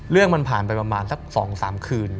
เรื่องมันผ่านไปประมาณสัก๒๓คืน